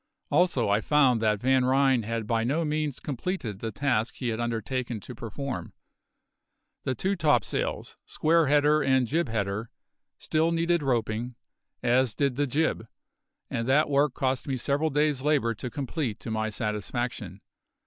Also, I found that Van Ryn had by no means completed the task he had undertaken to perform; the two topsails square header and jib header still needed roping, as did the jib; and that work cost me several days' labour to complete to my satisfaction.